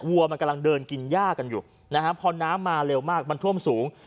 วัวมันกำลังเดินกินย่ากันอยู่นะฮะพอน้ำมาเร็วมากมันท่วมสูง